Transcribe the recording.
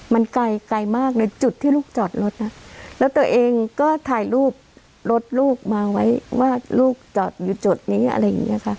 มันไกลไกลมากเลยจุดที่ลูกจอดรถแล้วตัวเองก็ถ่ายรูปรถลูกมาไว้ว่าลูกจอดอยู่จุดนี้อะไรอย่างเงี้ยค่ะ